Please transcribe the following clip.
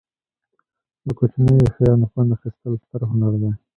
له کوچنیو شیانو خوند اخستل ستر هنر دی.